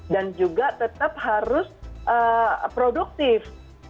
dan juga tetap harus produktif